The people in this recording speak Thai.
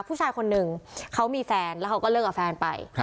ผู้ชายคนหนึ่งเขามีแฟนแล้วเขาก็เลิกกับแฟนไป